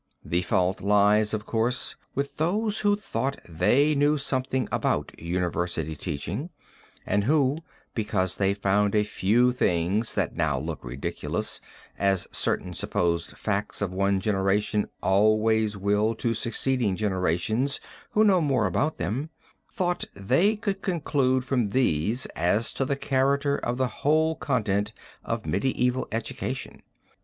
The fault lies, of course, with those who thought they knew something about university teaching, and who, because they found a few things that now look ridiculous, as certain supposed facts of one generation always will to succeeding generations who know more about them, thought they could conclude from these as to the character of the whole content of medieval education.